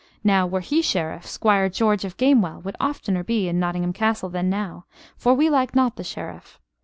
Now, were he Sheriff, Squire George of Gamewell would oftener be in Nottingham Castle than now, for we like not the Sheriff.